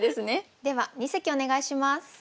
では二席お願いします。